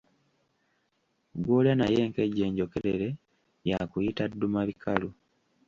Gw'olya naye enkejje enjokerere, y’akuyita ddumabikalu.